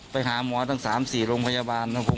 ไปหาหมอทั้ง๓๔โรงพยาบาล